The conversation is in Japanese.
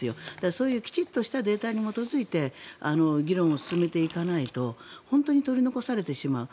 そういうきちんとしたデータに基づいて議論を進めていかないと本当に取り残されてしまう。